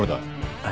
はい。